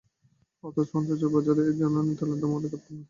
অথচ আন্তর্জাতিক বাজারে এ সময় জ্বালানি তেলের দাম রেকর্ড পরিমাণ কমেছে।